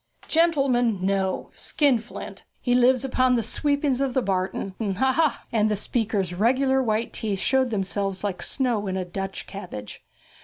'Gentleman! no, skinflint. He lives upon the sweepings of the barton; ha, ha!' And the speaker's regular white teeth showed themselves like snow in a Dutch cabbage.